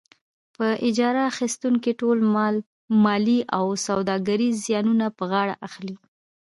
په اجاره اخیستونکی ټول مالي او سوداګریز زیانونه په غاړه اخلي.